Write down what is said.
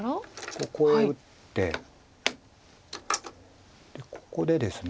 ここへ打ってでここでですね。